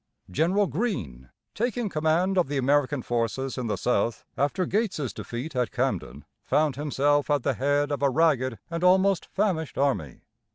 General Greene, taking command of the American forces in the South after Gates's defeat at Camden, found himself at the head of a ragged and almost famished army.